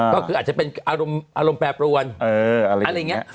ก็คืออาจจะเป็นอารมณ์อารมณ์แปรประวันเอออะไรอย่างเงี้ย